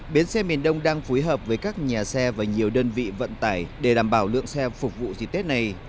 bến xe miền đông đang phối hợp với các nhà xe và nhiều đơn vị vận tải để đảm bảo lượng xe phục vụ dịp tết này